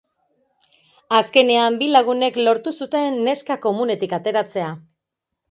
Azkenean, bi lagunek lortu zuten neska komunetik ateratzea.